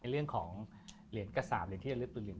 ในเรื่องของเหรียญกระสาปเหรียญที่จะเลือดตัวเหรียญ